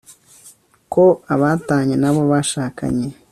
ko abatanye n'abo bashakanye